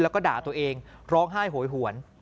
แล้วก็ด่าตัวเองร้องไห้โหยหวน